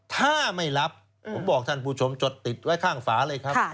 ถ้าไม่รับผมบอกท่านผู้ชมจดติดไว้ข้างฝาเลยครับ